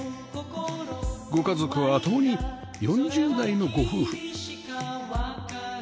ご家族は共に４０代のご夫婦